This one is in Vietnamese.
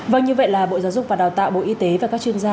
vâng như vậy là bộ giáo dục và đào tạo bộ y tế và các chuyên gia